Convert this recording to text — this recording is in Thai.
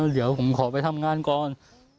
เดี๋ยวผมขอไปทำงานก่อน